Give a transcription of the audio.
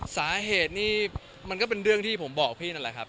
สาเหตุนี่มันก็เป็นเรื่องที่ผมบอกพี่นั่นแหละครับ